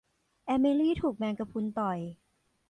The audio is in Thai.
เอมิลีถูกแมงกะพรุนต่อย